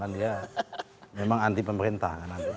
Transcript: dia memang anti pemerintah